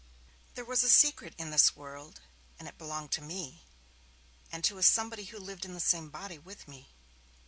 There was a secret in this world and it belonged to me and to a somebody who lived in the same body with me.